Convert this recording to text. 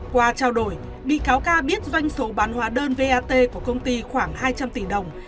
qua trao đổi bị cáo ca biết doanh số bán hóa đơn vat của công ty khoảng hai trăm linh tỷ đồng